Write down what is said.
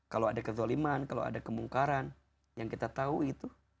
kalau ada kezoliman kalau ada kemungkaran yang kita tahu itu